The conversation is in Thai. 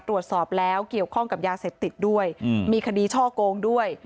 ตรวจสอบแล้วเกี่ยวข้องกับยาเสพติดด้วยมีคดีช่อโกงด้วย